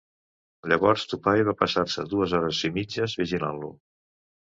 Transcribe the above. Llavors Tuppy va passar-se dues hores i mitges vigilant-lo.